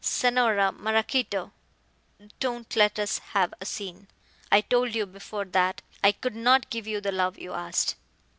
"Senora Maraquito don't let us have a scene. I told you before that I could not give you the love you asked."